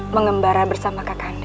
mengembara bersama kakanda